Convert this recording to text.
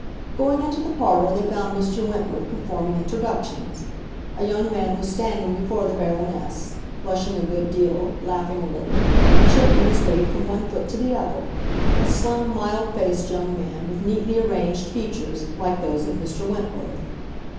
Going into the parlor they found Mr. Wentworth performing introductions. A young man was standing before the Baroness, blushing a good deal, laughing a little, and shifting his weight from one foot to the other—a slim, mild faced young man, with neatly arranged features, like those of Mr. Wentworth.